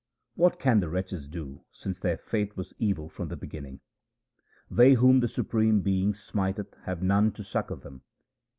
What can the wretches do, since their fate was evil from the beginning ? They whom the supreme Being smiteth have none to succour them.